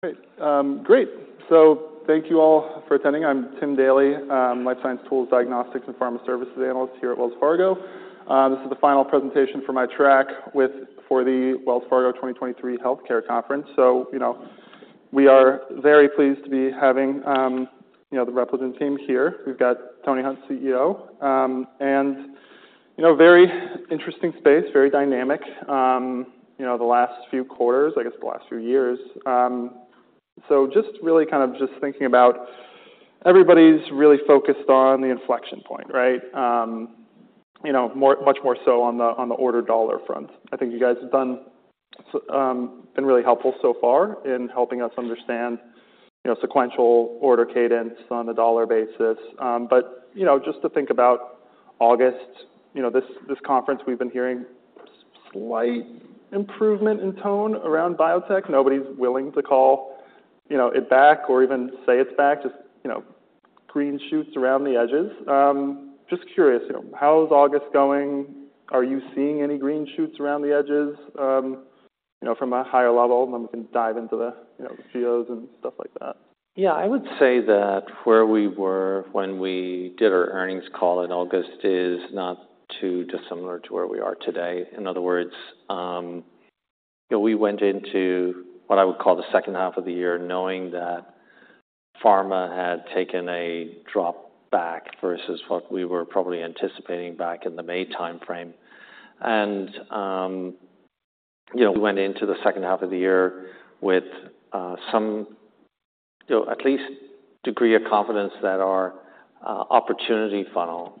Great. Great! So thank you all for attending. I'm Tim Daley, Life Science Tools, Diagnostics, and Pharma Services analyst here at Wells Fargo. This is the final presentation for my track for the Wells Fargo 2023 Healthcare Conference. So, you know, we are very pleased to be having, you know, the Repligen team here. We've got Tony Hunt, CEO. And, you know, very interesting space, very dynamic, you know, the last few quarters, I guess, the last few years. So just really kind of just thinking about everybody's really focused on the inflection point, right? You know, much more so on the, on the order dollar front. I think you guys have done, been really helpful so far in helping us understand, you know, sequential order cadence on a dollar basis. But, you know, just to think about August, you know, this conference, we've been hearing slight improvement in tone around biotech. Nobody's willing to call, you know, it back or even say it's back, just, you know, green shoots around the edges. Just curious, you know, how is August going? Are you seeing any green shoots around the edges, you know, from a higher level, and then we can dive into the, you know, geos and stuff like that? Yeah, I would say that where we were when we did our earnings call in August is not too dissimilar to where we are today. In other words, you know, we went into what I would call the second half of the year, knowing that pharma had taken a drop back versus what we were probably anticipating back in the May timeframe. And, you know, we went into the second half of the year with, some, you know, at least degree of confidence that our, opportunity funnel,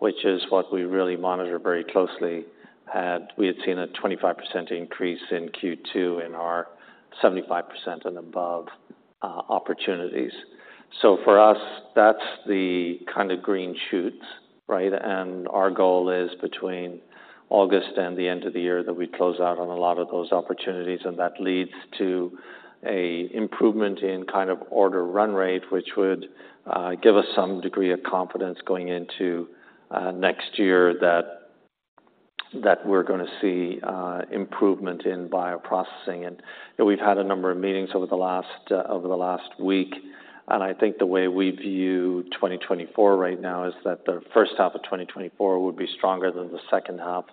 which is what we really monitor very closely, had, we had seen a 25% increase in Q2 in our 75% and above, opportunities. So for us, that's the kind of green shoots, right? Our goal is between August and the end of the year that we close out on a lot of those opportunities, and that leads to a improvement in kind of order run rate, which would give us some degree of confidence going into next year that we're going to see improvement in bioprocessing. And, you know, we've had a number of meetings over the last week, and I think the way we view 2024 right now is that the first half of 2024 would be stronger than the second half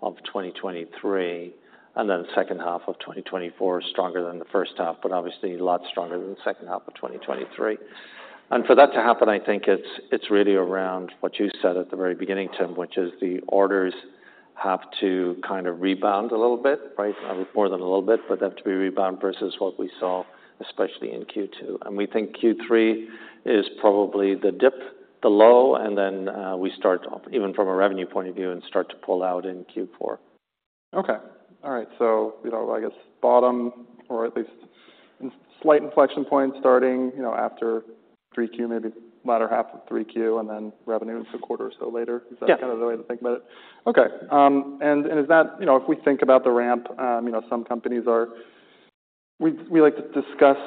of 2023, and then the second half of 2024 is stronger than the first half, but obviously a lot stronger than the second half of 2023. For that to happen, I think it's, it's really around what you said at the very beginning, Tim, which is the orders have to kind of rebound a little bit, right? More than a little bit, but they have to be rebound versus what we saw, especially in Q2. And we think Q3 is probably the dip, the low, and then, we start, even from a revenue point of view, and start to pull out in Q4. Okay. All right. So, you know, I guess bottom or at least slight inflection point starting, you know, after 3Q, maybe latter half of 3Q, and then revenue into a quarter or so later. Yeah. Is that kind of the way to think about it? Okay. And is that? You know, if we think about the ramp, you know, some companies are. We like to discuss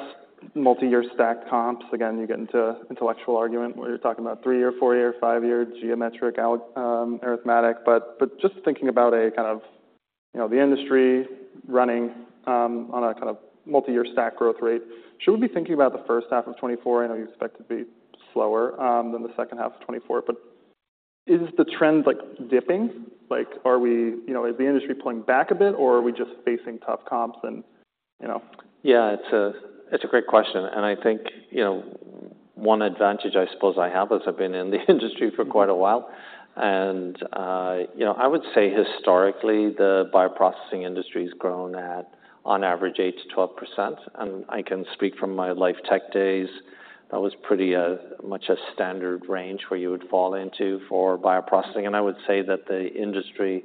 multi-year stack comps. Again, you get into intellectual argument where you're talking about three-year, four-year, five-year, geometric, arithmetic. But just thinking about a kind of, you know, the industry running on a kind of multi-year stack growth rate, should we be thinking about the first half of 2024? I know you expect it to be slower than the second half of 2024, but is the trend, like, dipping? Like, are we, you know, is the industry pulling back a bit, or are we just facing tough comps and, you know? Yeah, it's a great question, and I think, you know, one advantage I suppose I have is I've been in the industry for quite a while. And you know, I would say historically, the bioprocessing industry has grown at, on average, 8%-12%. And I can speak from my Life Tech days, that was pretty much a standard range where you would fall into for bioprocessing. And I would say that the industry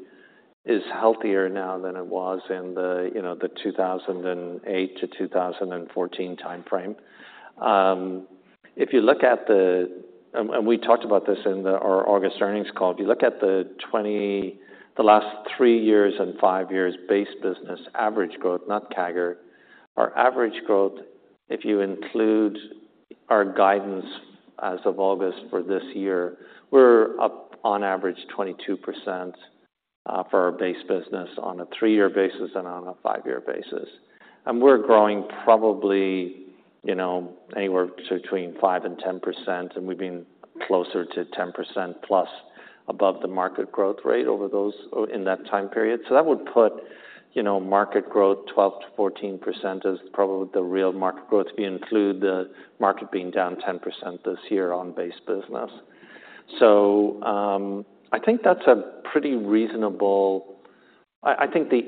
is healthier now than it was in the, you know, the 2008-2014 timeframe. If you look at the... And we talked about this in our August earnings call. If you look at the last three years and five years base business average growth, not CAGR, our average growth, if you include our guidance as of August for this year, we're up on average 22%, for our base business on a three-year basis and on a five-year basis. And we're growing probably, you know, anywhere between 5% and 10%, and we've been closer to 10%+ above the market growth rate over those in that time period. So that would put, you know, market growth 12%-14% is probably the real market growth, if you include the market being down 10% this year on base business. So, I think that's a pretty reasonable. I think the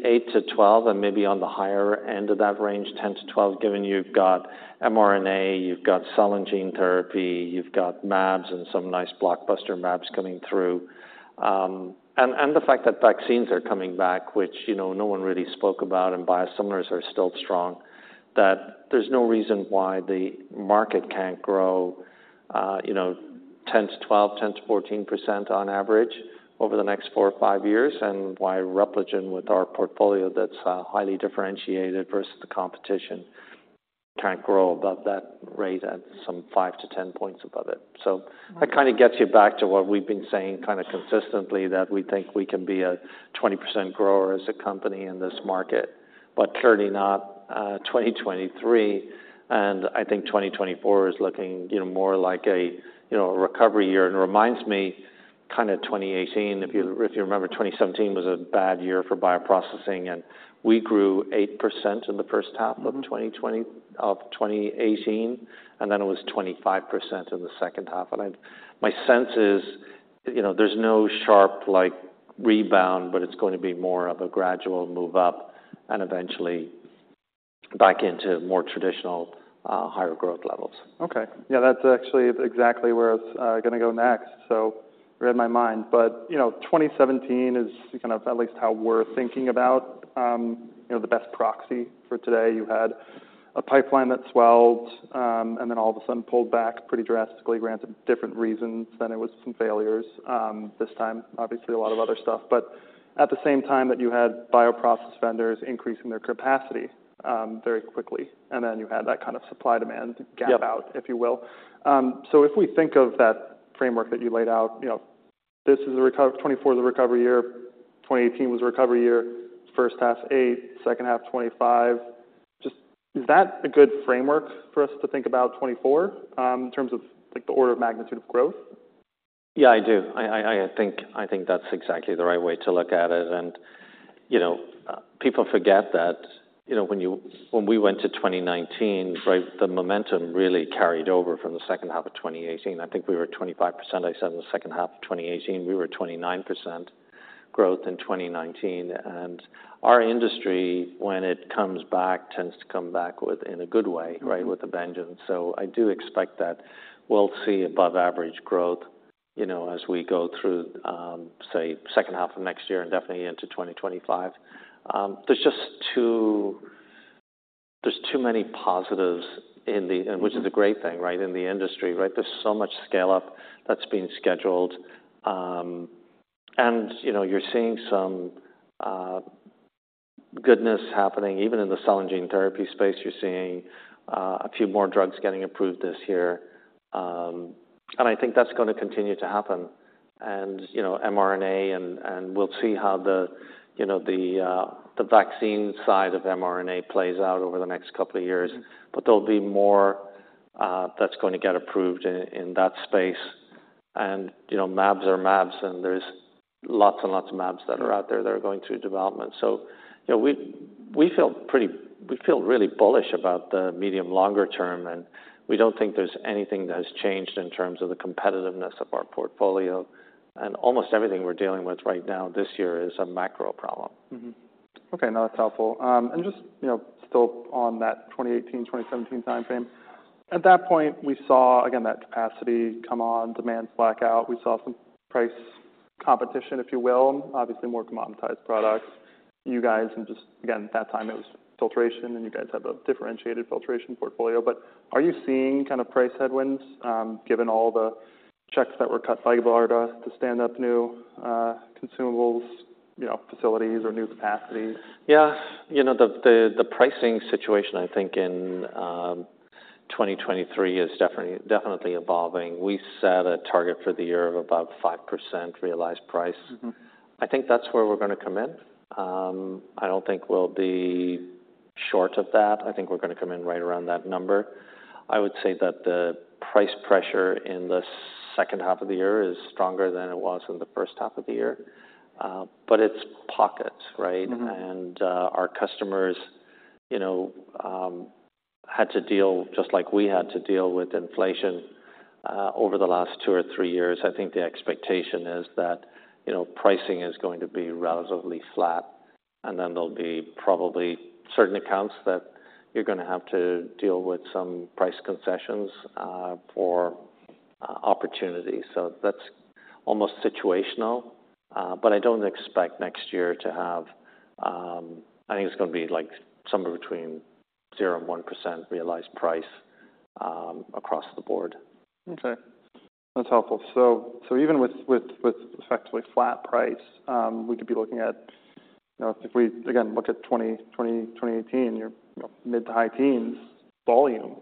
8%-12%, and maybe on the higher end of that range, 10%-12%, given you've got mRNA, you've got cell and gene therapy, you've got mAbs, and some nice blockbuster mAbs coming through. And, and the fact that vaccines are coming back, which, you know, no one really spoke about, and biosimilars are still strong, that there's no reason why the market can't grow, you know, 10%-12%, 10%-14% on average over the next four or five years. And why Repligen, with our portfolio that's highly differentiated versus the competition? Can't grow above that rate at some five-10 points above it. So that kind of gets you back to what we've been saying kind of consistently, that we think we can be a 20% grower as a company in this market, but clearly not 2023. And I think 2024 is looking, you know, more like a, you know, a recovery year. And it reminds me kind of 2018. If you, if you remember, 2017 was a bad year for bioprocessing, and we grew 8% in the first half- Mm-hmm. of 2018, and then it was 25% in the second half. And my sense is, you know, there's no sharp, like, rebound, but it's going to be more of a gradual move up and eventually back into more traditional higher growth levels. Okay. Yeah, that's actually exactly where I was gonna go next, so read my mind. But, you know, 2017 is kind of at least how we're thinking about, you know, the best proxy for today. You had a pipeline that swelled, and then all of a sudden pulled back pretty drastically. Granted, different reasons than it was some failures, this time, obviously, a lot of other stuff. But at the same time that you had bioprocess vendors increasing their capacity, very quickly, and then you had that kind of supply-demand- Yep - gap out, if you will. So if we think of that framework that you laid out, you know, this is a recovery year, 2024 is a recovery year, 2018 was a recovery year, first half 8%; second half 25%. Just, is that a good framework for us to think about 2024 in terms of, like, the order of magnitude of growth? Yeah, I do. I think that's exactly the right way to look at it. And, you know, people forget that, you know, when we went to 2019, right, the momentum really carried over from the second half of 2018. I think we were at 25%, I said, in the second half of 2018. We were 29% growth in 2019. And our industry, when it comes back, tends to come back with- in a good way- Mm-hmm Right, with a vengeance. So I do expect that we'll see above average growth, you know, as we go through, say, second half of next year and definitely into 2025. There's just too many positives in the... Mm-hmm. Which is a great thing, right, in the industry, right? There's so much scale up that's been scheduled. You know, you're seeing some goodness happening. Even in the cell and gene therapy space, you're seeing a few more drugs getting approved this year. I think that's going to continue to happen. You know, mRNA and we'll see how the, you know, the vaccine side of mRNA plays out over the next couple of years. Mm-hmm. But there'll be more, that's going to get approved in that space. And, you know, mAbs are mAbs, and there's lots and lots of mAbs that are- Mm-hmm out there that are going through development. So, you know, we feel really bullish about the medium, longer term, and we don't think there's anything that has changed in terms of the competitiveness of our portfolio. And almost everything we're dealing with right now, this year, is a macro problem. Mm-hmm. Okay, no, that's helpful. And just, you know, still on that 2018, 2017 time frame, at that point, we saw, again, that capacity come on, demand slack out. We saw some price competition, if you will. Obviously, more commoditized products. You guys, and just again, at that time it was filtration, and you guys had a differentiated filtration portfolio. But are you seeing kind of price headwinds, given all the checks that were cut by BARDA to stand up new consumables, you know, facilities or new capacities? Yeah. You know, the pricing situation, I think in 2023 is definitely, definitely evolving. We set a target for the year of about 5% realized price. Mm-hmm. I think that's where we're gonna come in. I don't think we'll be short of that. I think we're gonna come in right around that number. I would say that the price pressure in the second half of the year is stronger than it was in the first half of the year. But it's pockets, right? Mm-hmm. Our customers, you know, had to deal, just like we had to deal with inflation, over the last two or three years. I think the expectation is that, you know, pricing is going to be relatively flat, and then there'll be probably certain accounts that you're gonna have to deal with some price concessions, for, opportunities. So that's almost situational, but I don't expect next year to have... I think it's gonna be, like, somewhere between 0% and 1% realized price, across the board. Okay. That's helpful. So even with effectively flat price, we could be looking at, you know, if we again look at 2018, your, you know, mid- to high-teens volume-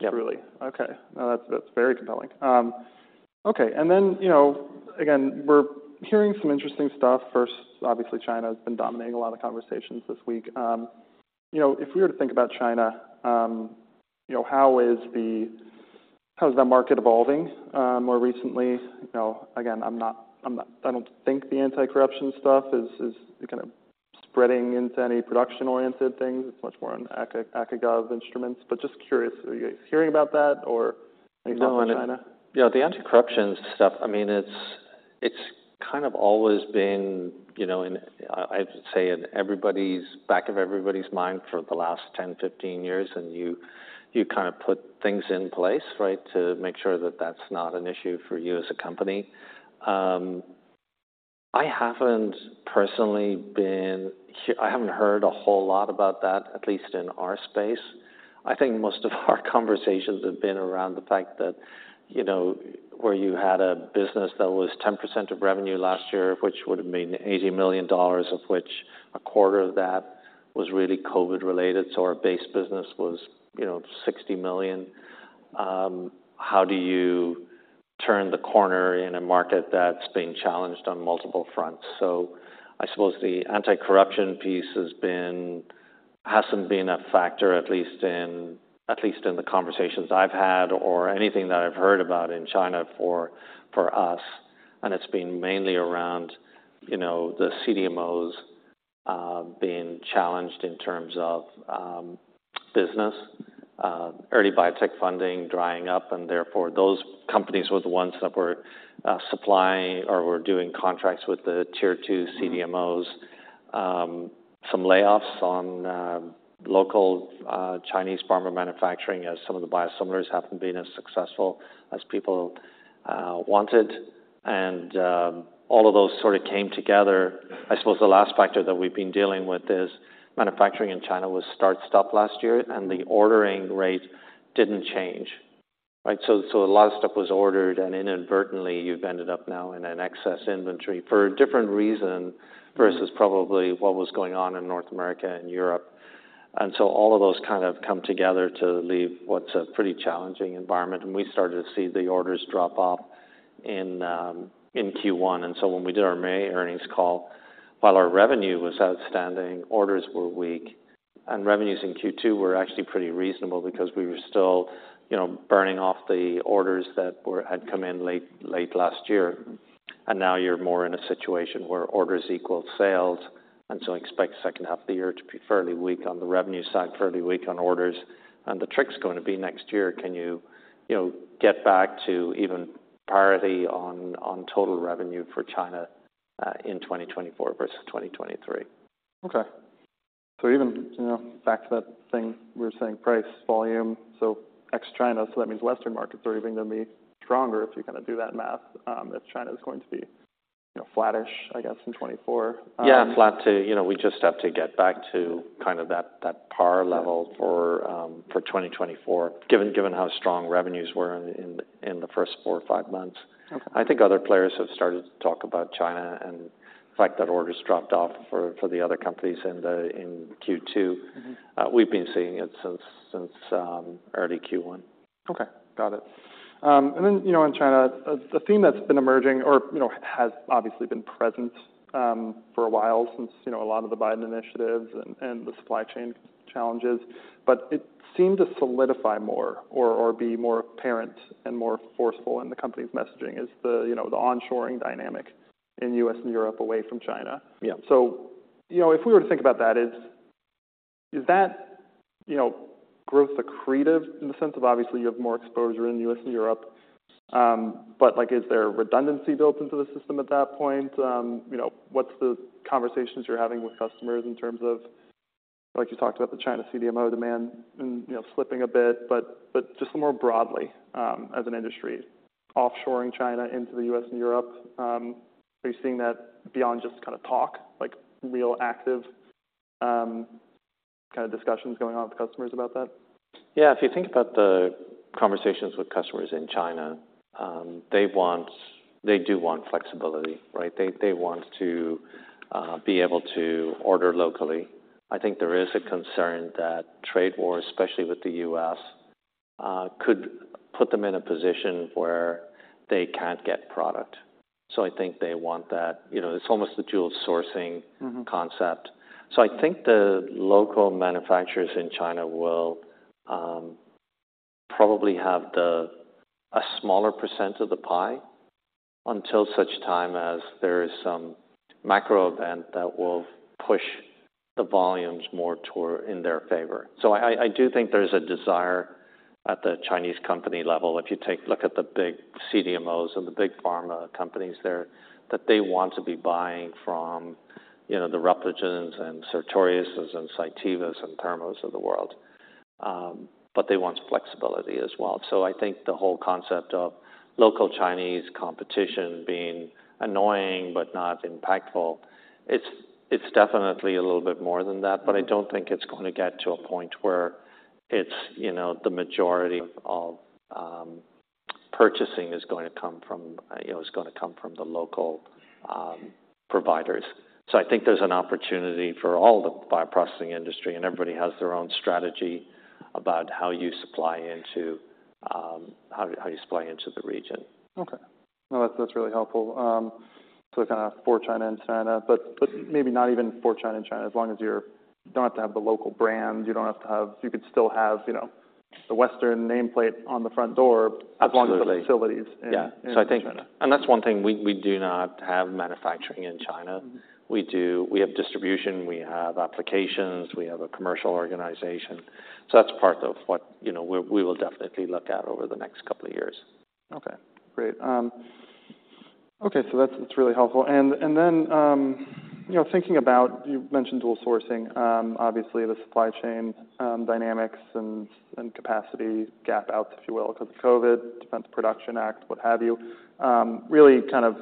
Yep. Really. Okay. No, that's, that's very compelling. Okay, and then, you know, again, we're hearing some interesting stuff. First, obviously, China has been dominating a lot of the conversations this week. You know, if we were to think about China, you know, how is that market evolving, more recently? You know, again, I'm not, I don't think the anti-corruption stuff is kind of spreading into any production-oriented things. It's much more on academic gov instruments. But just curious, are you guys hearing about that or anything off China? You know, the anti-corruption stuff, I mean, it's kind of always been, you know, in, I'd say, in the back of everybody's mind for the last 10, 15 years, and you kind of put things in place, right, to make sure that that's not an issue for you as a company. I haven't personally been—I haven't heard a whole lot about that, at least in our space. I think most of our conversations have been around the fact that, you know, where you had a business that was 10% of revenue last year, which would have been $80 million, of which a quarter of that was really COVID-related. So our base business was, you know, $60 million. How do you turn the corner in a market that's being challenged on multiple fronts? So I suppose the anti-corruption piece has been- hasn't been a factor, at least in, at least in the conversations I've had or anything that I've heard about in China for, for us. And it's been mainly around, you know, the CDMOs being challenged in terms of, business, early biotech funding drying up, and therefore, those companies were the ones that were supplying or were doing contracts with the tier two CDMOs. Some layoffs on local Chinese pharma manufacturing, as some of the biosimilars haven't been as successful as people wanted. And all of those sort of came together. I suppose the last factor that we've been dealing with is manufacturing in China was start-stop last year, and the ordering rate didn't change, right? So, a lot of stuff was ordered, and inadvertently, you've ended up now in an excess inventory for a different reason versus probably what was going on in North America and Europe. And so all of those kind of come together to leave what's a pretty challenging environment, and we started to see the orders drop off in Q1. And so when we did our May earnings call, while our revenue was outstanding, orders were weak, and revenues in Q2 were actually pretty reasonable because we were still, you know, burning off the orders that had come in late, late last year. And now you're more in a situation where orders equal sales, and so expect the second half of the year to be fairly weak on the revenue side, fairly weak on orders. The trick's going to be next year, can you, you know, get back to even parity on, on total revenue for China in 2024 versus 2023? Okay. So even, you know, back to that thing, we were saying price, volume, so ex China. So that means Western markets are even going to be stronger if you kind of do that math, if China is going to be, you know, flattish, I guess, in 2024. Yeah, flat to... You know, we just have to get back to kind of that, that par level for 2024, given, given how strong revenues were in, in the, in the first four or five months. Okay. I think other players have started to talk about China and the fact that orders dropped off for the other companies in Q2. Mm-hmm. We've been seeing it since early Q1. Okay, got it. And then, you know, in China, a theme that's been emerging or, you know, has obviously been present, for a while, since, you know, a lot of the Biden initiatives and the supply chain challenges, but it seemed to solidify more or be more apparent and more forceful in the company's messaging is the, you know, the onshoring dynamic in U.S. and Europe away from China. Yeah. So, you know, if we were to think about that, is that, you know, growth accretive in the sense of obviously you have more exposure in the U.S. and Europe, but like, is there redundancy built into the system at that point? You know, what's the conversations you're having with customers in terms of... Like, you talked about the China CDMO demand and, you know, slipping a bit, but just more broadly, as an industry, offshoring China into the U.S. and Europe, are you seeing that beyond just kind of talk, like, real active, kind of discussions going on with customers about that? Yeah. If you think about the conversations with customers in China, they do want flexibility, right? They, they want to be able to order locally. I think there is a concern that trade wars, especially with the U.S., could put them in a position where they can't get product. So I think they want that. You know, it's almost the dual sourcing- Mm-hmm... concept. So I think the local manufacturers in China will probably have a smaller percent of the pie until such time as there is some macro event that will push the volumes more toward in their favor. So I do think there's a desire at the Chinese company level, if you take a look at the big CDMOs and the big pharma companies there, that they want to be buying from, you know, the Repligens and Sartoriuses and Cytivas and Thermos of the world. But they want flexibility as well. So I think the whole concept of local Chinese competition being annoying but not impactful, it's definitely a little bit more than that, but I don't think it's going to get to a point where it's, you know, the majority of purchasing is going to come from, you know, the local providers. So I think there's an opportunity for all the bioprocessing industry, and everybody has their own strategy about how you supply into the region. Okay. No, that's really helpful. So kind of for China and China, but maybe not even for China and China, as long as you're... You don't have to have the local brand, you don't have to have—you could still have, you know, the Western nameplate on the front door- Absolutely... as long as the facility is in- Yeah - China. So I think... And that's one thing, we do not have manufacturing in China. Mm-hmm. We have distribution, we have applications, we have a commercial organization. So that's part of what, you know, we, we will definitely look at over the next couple of years. Okay, great. Okay, so that's, that's really helpful. And, and then, you know, thinking about... You mentioned dual sourcing, obviously the supply chain, dynamics and, and capacity gap outs, if you will, because of COVID, Defense Production Act, what have you. Really kind of,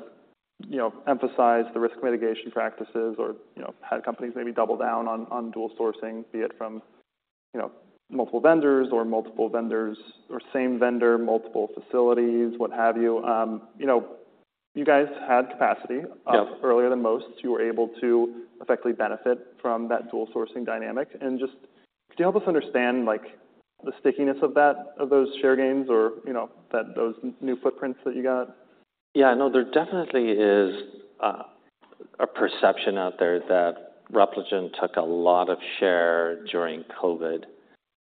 you know, emphasize the risk mitigation practices or, you know, had companies maybe double down on, on dual sourcing, be it from, you know, multiple vendors or multiple vendors, or same vendor, multiple facilities, what have you. You guys had capacity- Yep. Earlier than most, you were able to effectively benefit from that dual sourcing dynamic. And just, can you help us understand, like, the stickiness of that, of those share gains or, you know, that those new footprints that you got? Yeah, no, there definitely is a perception out there that Repligen took a lot of share during COVID.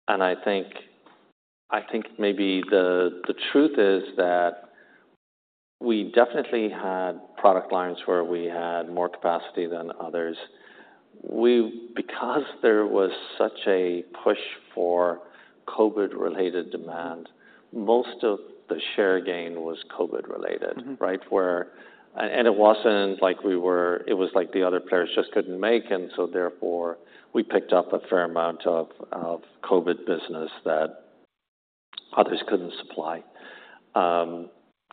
And I think, I think maybe the, the truth is that we definitely had product lines where we had more capacity than others. Because there was such a push for COVID-related demand, most of the share gain was COVID-related. Mm-hmm. Right? And it wasn't like we were. It was like the other players just couldn't make, and so therefore, we picked up a fair amount of COVID business that others couldn't supply.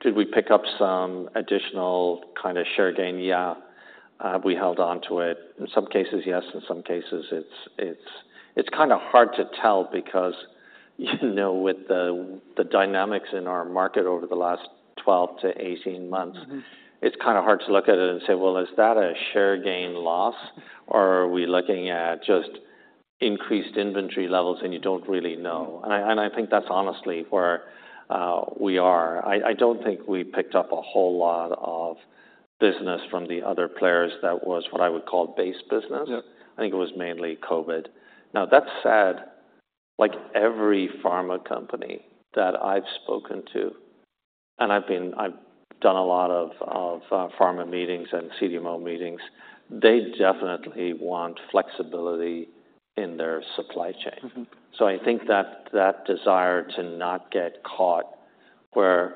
Did we pick up some additional kind of share gain? Yeah. Have we held on to it? In some cases, yes, in some cases, it's. It's kind of hard to tell because, you know, with the dynamics in our market over the last 12-18 months- Mm-hmm. It's kind of hard to look at it and say, "Well, is that a share gain loss, or are we looking at just increased inventory levels, and you don't really know? Mm-hmm. And I think that's honestly where we are. I don't think we picked up a whole lot of business from the other players. That was what I would call base business. Yeah. I think it was mainly COVID. Now, that said, like every pharma company that I've spoken to, and I've been, I've done a lot of pharma meetings and CDMO meetings, they definitely want flexibility in their supply chain. Mm-hmm. I think that desire to not get caught where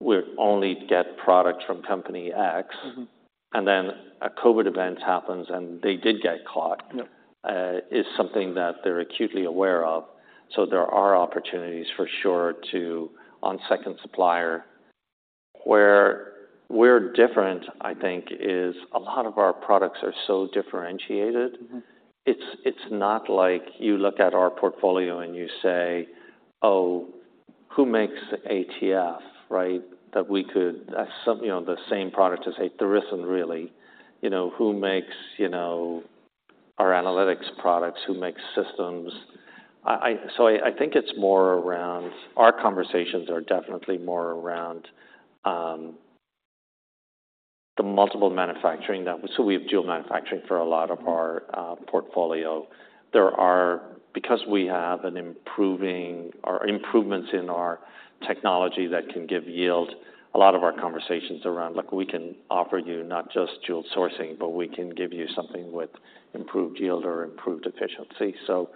we only get product from Company X- Mm-hmm and then a COVID event happens, and they did get caught. Yep... is something that they're acutely aware of. So there are opportunities for sure to on second supplier. Where we're different, I think, is a lot of our products are so differentiated. Mm-hmm. It's not like you look at our portfolio, and you say: "Oh, who makes ATF?" Right? There isn't really the same product as, hey. You know, who makes, you know, our analytics products? Who makes systems? So I think it's more around... Our conversations are definitely more around the multiple manufacturing now. So we have dual manufacturing for a lot of our portfolio. Because we have improvements in our technology that can give yield, a lot of our conversations around, "Look, we can offer you not just dual sourcing, but we can give you something with improved yield or improved efficiency." So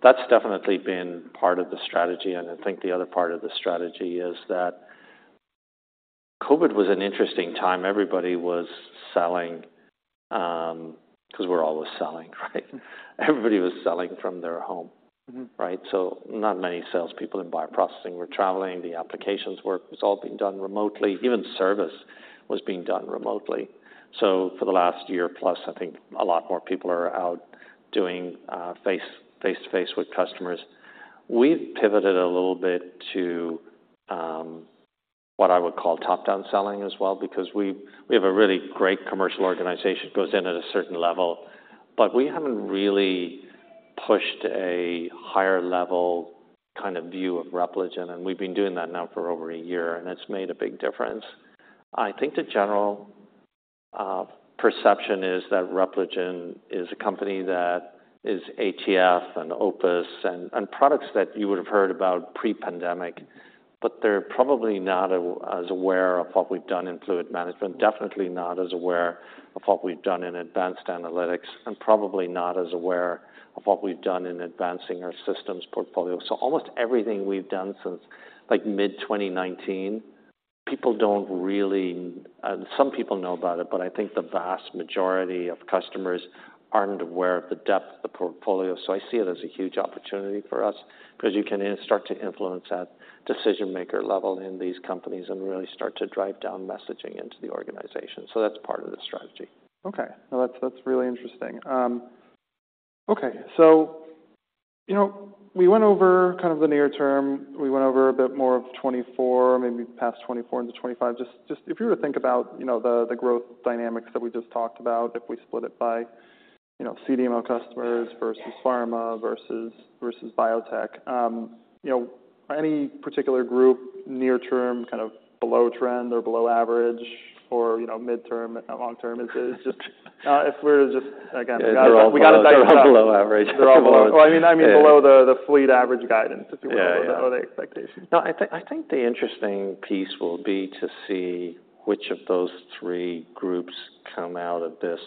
that's definitely been part of the strategy, and I think the other part of the strategy is that COVID was an interesting time. Everybody was selling, 'cause we're always selling, right? Mm-hmm. Everybody was selling from their home. Mm-hmm. Right? So not many salespeople in bioprocessing were traveling. The applications work was all being done remotely. Even service was being done remotely. So for the last year, plus, I think a lot more people are out doing face-to-face with customers. We've pivoted a little bit to what I would call top-down selling as well, because we, we have a really great commercial organization, goes in at a certain level, but we haven't really pushed a higher level kind of view of Repligen, and we've been doing that now for over a year, and it's made a big difference. I think the general perception is that Repligen is a company that is ATF and OPUS and products that you would have heard about pre-pandemic, but they're probably not as aware of what we've done in fluid management, definitely not as aware of what we've done in advanced analytics, and probably not as aware of what we've done in advancing our systems portfolio. So almost everything we've done since, like, mid-2019, people don't really. Some people know about it, but I think the vast majority of customers aren't aware of the depth of the portfolio. So I see it as a huge opportunity for us because you can then start to influence that decision-maker level in these companies and really start to drive down messaging into the organization. So that's part of the strategy. Okay. No, that's, that's really interesting. Okay, so, you know, we went over kind of the near term. We went over a bit more of 2024, maybe past 2024 into 2025. Just, just if you were to think about, you know, the, the growth dynamics that we just talked about, if we split it by, you know, CDMO customers versus pharma versus, versus biotech, you know, any particular group near term, kind of below trend or below average or, you know, midterm and long term is just- If we're to just, again, we gotta- They're all below average. They're all below. Yeah. Well, I mean, below the fleet average guidance, if you will- Yeah. The expectations. No, I think, I think the interesting piece will be to see which of those three groups come out of this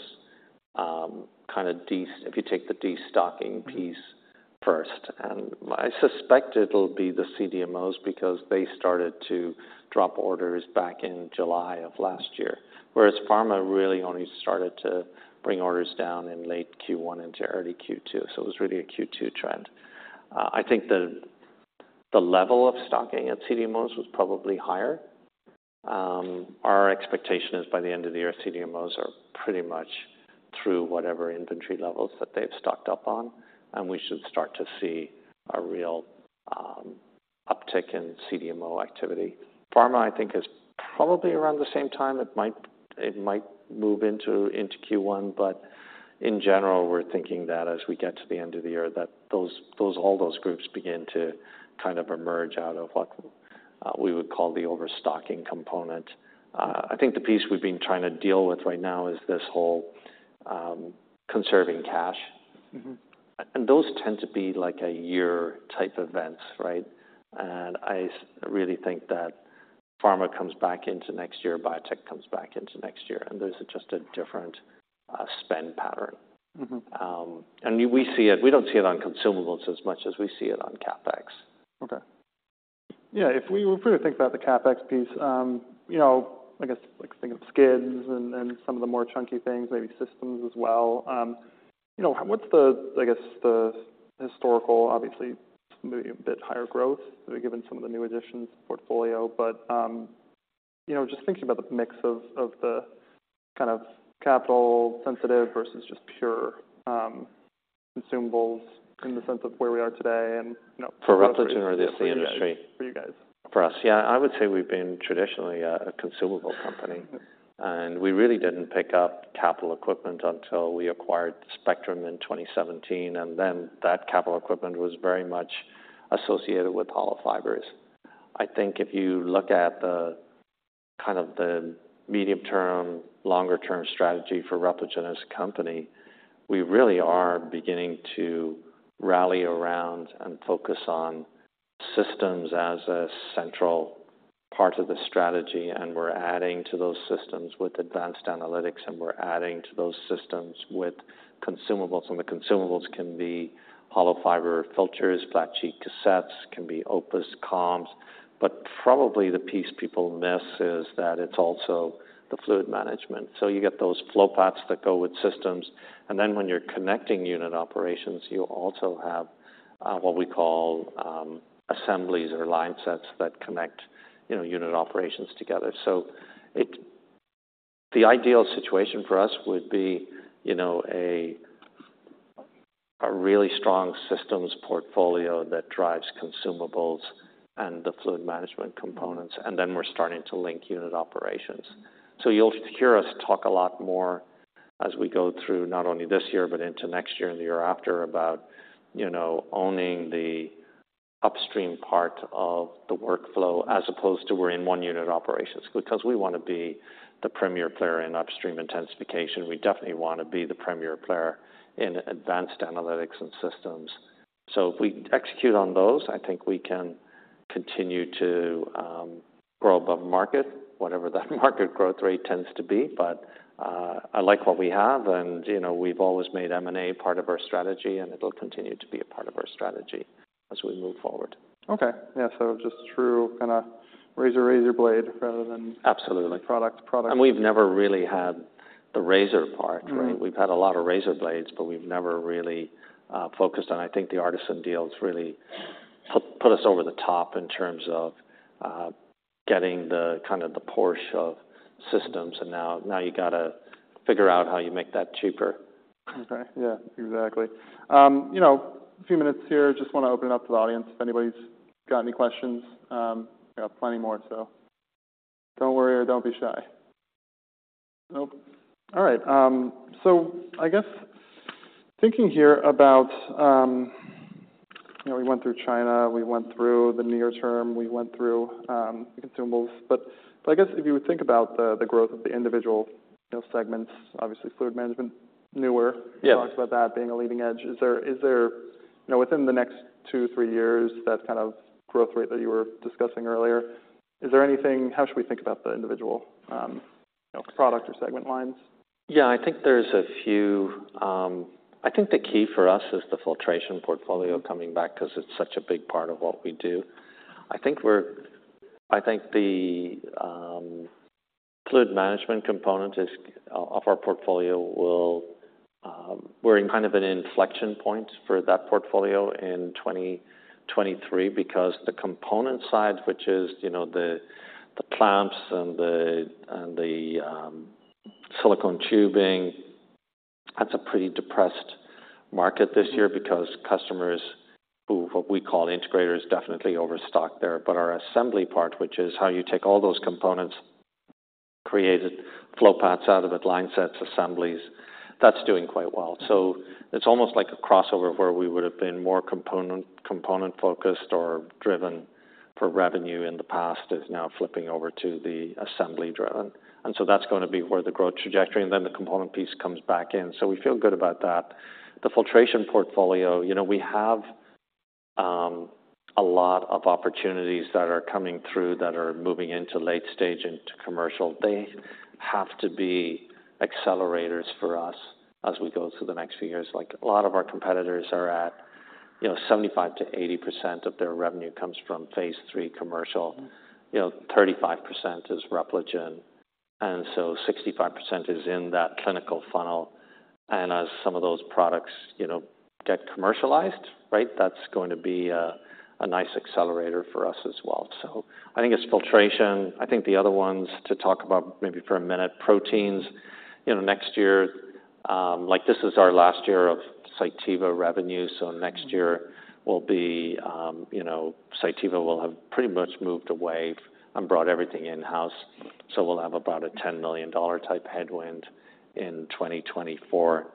kind of destocking. If you take the destocking piece first, and I suspect it'll be the CDMOs because they started to drop orders back in July of last year, whereas pharma really only started to bring orders down in late Q1 into early Q2. So it was really a Q2 trend. I think the level of stocking at CDMOs was probably higher. Our expectation is by the end of the year, CDMOs are pretty much through whatever inventory levels that they've stocked up on, and we should start to see a real uptick in CDMO activity. Pharma, I think, is probably around the same time. It might, it might move into Q1, but in general, we're thinking that as we get to the end of the year, that those, those all those groups begin to kind of emerge out of what we would call the overstocking component. I think the piece we've been trying to deal with right now is this whole conserving cash. Mm-hmm. Those tend to be like a year type events, right? I really think that pharma comes back into next year, biotech comes back into next year, and those are just a different, spend pattern. Mm-hmm. We see it. We don't see it on consumables as much as we see it on CapEx. Okay. Yeah, if we were to think about the CapEx piece, you know, I guess, like, think of skids and some of the more chunky things, maybe systems as well. You know, what's the, I guess, the historical obviously maybe a bit higher growth, given some of the new additions to the portfolio. But, you know, just thinking about the mix of the kind of capital sensitive versus just pure, consumables in the sense of where we are today, and, you know- For Repligen or the industry? For you guys. For us. Yeah, I would say we've been traditionally a consumable company. Mm-hmm. We really didn't pick up capital equipment until we acquired Spectrum in 2017, and then that capital equipment was very much associated with hollow fibers. I think if you look at the, kind of the medium-term, longer-term strategy for Repligen as a company, we really are beginning to rally around and focus on systems as a central part of the strategy, and we're adding to those systems with advanced analytics, and we're adding to those systems with consumables. The consumables can be hollow-fiber filters, flat-sheet cassettes, can be OPUS columns. But probably the piece people miss is that it's also the fluid management. So you get those flow paths that go with systems, and then when you're connecting unit operations, you also have what we call assemblies or line sets that connect, you know, unit operations together. So it... The ideal situation for us would be, you know, a really strong systems portfolio that drives consumables and the fluid management components, and then we're starting to link unit operations. So you'll hear us talk a lot more as we go through, not only this year, but into next year and the year after, about, you know, owning the upstream part of the workflow as opposed to we're in one unit operations. Because we want to be the premier player in upstream intensification. We definitely want to be the premier player in advanced analytics and systems. So if we execute on those, I think we can continue to grow above market, whatever that market growth rate tends to be. I like what we have, and, you know, we've always made M&A part of our strategy, and it'll continue to be a part of our strategy as we move forward. Okay. Yeah, so just true kind of razor, razor blade rather than- Absolutely... product to product. We've never really had the razor part, right? Mm-hmm. We've had a lot of razor blades, but we've never really focused on... I think the ARTeSYN deals really help put us over the top in terms of getting the, kind of the Porsche of systems, and now, now you got to figure out how you make that cheaper. Okay. Yeah, exactly. You know, a few minutes here, just want to open it up to the audience if anybody's got any questions. We got plenty more, so don't worry or don't be shy. Nope? All right, so I guess thinking here about... You know, we went through China, we went through the near term, we went through the consumables. But, but I guess if you would think about the, the growth of the individual, you know, segments, obviously fluid management, newer. Yeah. We talked about that being a leading edge. Is there, you know, within the next two, three years, that kind of growth rate that you were discussing earlier, is there anything—how should we think about the individual, you know, product or segment lines? Yeah, I think there's a few. I think the key for us is the filtration portfolio coming back because it's such a big part of what we do. I think the fluid management component is of our portfolio will. We're in kind of an inflection point for that portfolio in 2023 because the component side, which is, you know, the clamps and the silicone tubing, that's a pretty depressed market this year because customers, what we call integrators, definitely overstock there. But our assembly part, which is how you take all those components, create flow paths out of it, line sets, assemblies, that's doing quite well. So it's almost like a crossover where we would've been more component-focused or driven for revenue in the past, is now flipping over to the assembly-driven. And so that's going to be where the growth trajectory, and then the component piece comes back in. So we feel good about that. The filtration portfolio, you know, we have a lot of opportunities that are coming through that are moving into late stage into commercial. They have to be accelerators for us as we go through the next few years. Like, a lot of our competitors are at, you know, 75%-80% of their revenue comes from phase III commercial. Mm-hmm. You know, 35% is Repligen, and so 65% is in that clinical funnel. And as some of those products, you know, get commercialized, right, that's going to be a, a nice accelerator for us as well. So I think it's filtration. I think the other ones to talk about maybe for a minute, proteins. You know, next year, like this is our last year of Cytiva revenue, so next year will be, you know, Cytiva will have pretty much moved away and brought everything in-house. So we'll have about a $10 million type headwind in 2024.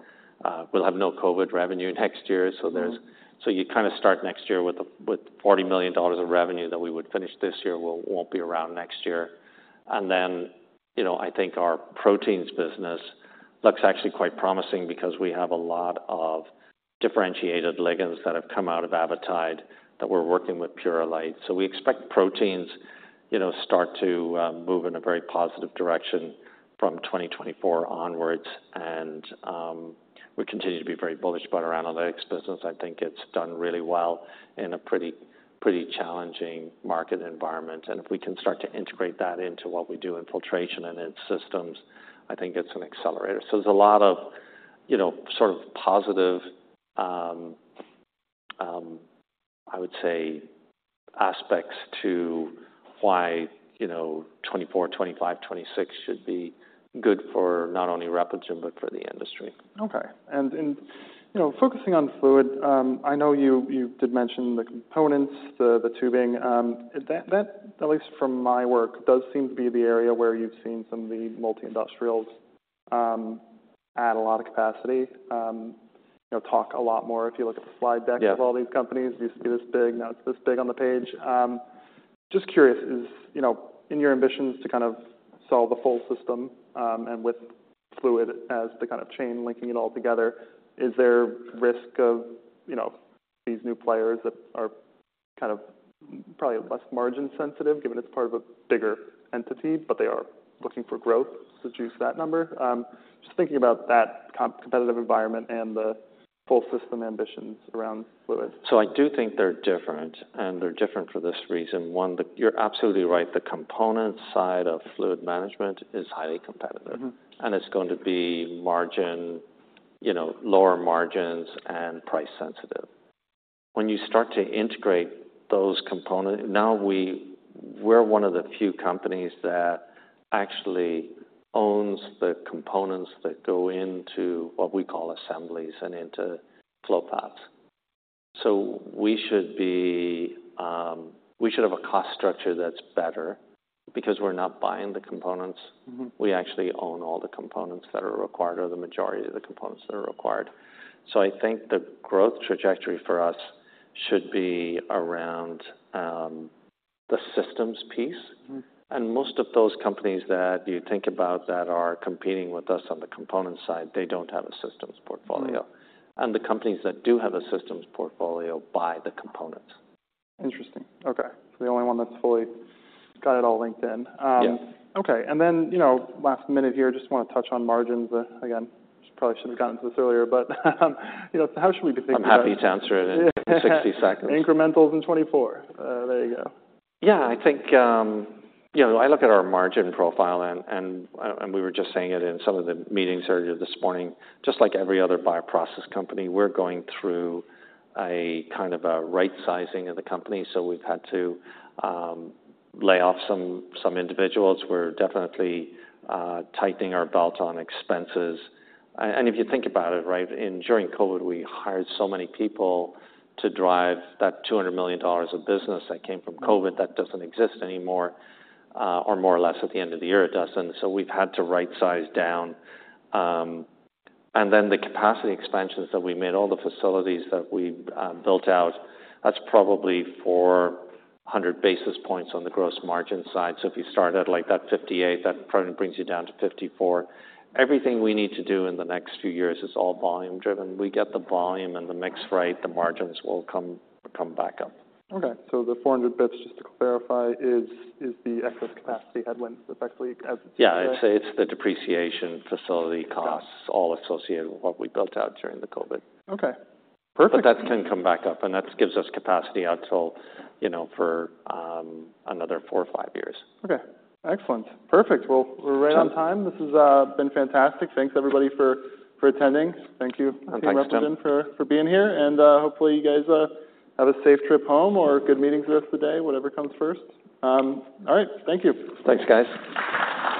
We'll have no COVID revenue next year, so there's- Mm-hmm. So you kind of start next year with $40 million of revenue that we would finish this year, well, won't be around next year. And then, you know, I think our proteins business looks actually quite promising because we have a lot of differentiated ligands that have come out of Avitide, that we're working with Purolite. So we expect proteins, you know, start to move in a very positive direction from 2024 onwards. And we continue to be very bullish about our analytics business. I think it's done really well in a pretty, pretty challenging market environment. And if we can start to integrate that into what we do in filtration and in systems, I think it's an accelerator. So there's a lot of, you know, sort of positive, I would say aspects to why, you know, 2024, 2025, 2026 should be good for not only Repligen, but for the industry. Okay. And in, you know, focusing on fluid, I know you did mention the components, the tubing. That, at least from my work, does seem to be the area where you've seen some of the multi-industrials add a lot of capacity. You know, talk a lot more. If you look at the slide deck- Yeah of all these companies, you see this big, now it's this big on the page. Just curious, is, you know, in your ambitions to kind of sell the full system, and with fluid as the kind of chain linking it all together, is there risk of, you know, these new players that are kind of probably less margin-sensitive, given it's part of a bigger entity, but they are looking for growth to juice that number? Just thinking about that competitive environment and the full system ambitions around fluid. I do think they're different, and they're different for this reason. One, that you're absolutely right, the component side of fluid management is highly competitive. Mm-hmm. It's going to be margin... You know, lower margins and price sensitive. When you start to integrate those components, now we're one of the few companies that actually owns the components that go into what we call assemblies and into flow paths. So we should have a cost structure that's better because we're not buying the components. Mm-hmm. We actually own all the components that are required, or the majority of the components that are required. So I think the growth trajectory for us should be around, the systems piece. Mm-hmm. Most of those companies that you think about that are competing with us on the component side, they don't have a systems portfolio. Mm-hmm. The companies that do have a systems portfolio buy the components. Interesting. Okay. The only one that's fully got it all linked in. Yeah. Okay, and then, you know, last minute here, just wanna touch on margins. Again, probably should have gotten to this earlier, but, you know, how should we be thinking- I'm happy to answer it in 60 seconds. Incremental in 2024. There you go. Yeah, I think, you know, I look at our margin profile and, and, and we were just saying it in some of the meetings earlier this morning. Just like every other bioprocess company, we're going through a kind of a right-sizing of the company. So we've had to lay off some, some individuals. We're definitely tightening our belt on expenses. And, and if you think about it, right, in during COVID, we hired so many people to drive that $200 million of business that came from COVID. That doesn't exist anymore, or more or less at the end of the year, it doesn't. So we've had to right-size down. And then the capacity expansions that we made, all the facilities that we built out, that's probably 400 basis points on the gross margin side. So if you start at like that 58%, that probably brings you down to 54%. Everything we need to do in the next few years is all volume driven. We get the volume and the mix right, the margins will come, come back up. Okay, so the 400 basis points, just to clarify, is the excess capacity headwind, effectively, as- Yeah, I'd say it's the depreciation facility costs- Got it all associated with what we built out during the COVID. Okay, perfect. But that can come back up, and that gives us capacity until, you know, for another four or five years. Okay, excellent. Perfect. Well, we're right on time. This has been fantastic. Thanks, everybody, for attending. Thank you- Thanks, Tim... for being here and hopefully, you guys have a safe trip home or good meetings the rest of the day, whatever comes first. All right, thank you. Thanks, guys.